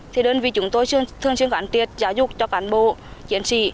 thì đơn vị chúng tôi thường xuyên khán triệt giáo dục cho cán bộ chiến sĩ